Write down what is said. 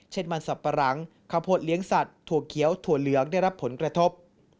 เช่นมันสับปะหลังข้าวโพดเลี้ยงสัตว์ถั่วเขียวถั่วเหลืองได้รับผลกระทบ